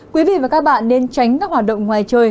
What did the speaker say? quý vị và các bạn nên tránh các hoạt động ngoài trời